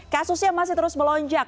kasusnya masih terus melonjak